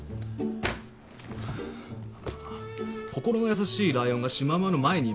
心の優しいライオンがシマウマの前にいます。